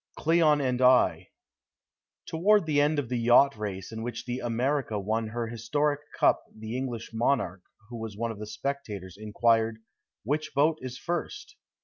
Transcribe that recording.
CLEON AND I Toward the end of the yacht race in which the America won her historic cup the English monarch, who was one of the spectators, inquired: "Which boat is first?"